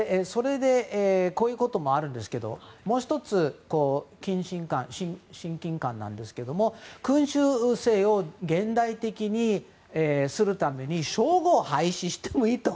こういうこともあるんですがもう１つ、親近感なんですけども君主制を現代的にするために称号を廃止してもいいと。